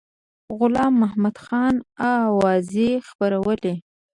غلام محمدخان اوازې خپرولې.